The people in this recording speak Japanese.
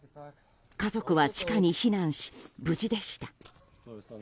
家族は地下に避難し無事でした。